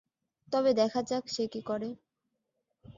তবে দেখা যাক সে কি করে।